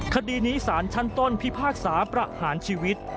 คดีนี้สารชั้นต้นพิพากษาประหารชีวิต